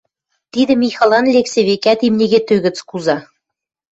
Тидӹ Михалан Лексе, векӓт, имни кӹтӧ гӹц куза.